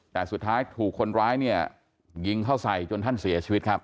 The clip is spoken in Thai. แต่สุดท้ายถูกคนร้ายเนี่ยยิงเข้าใส่จนท่านเสียชีวิตครับ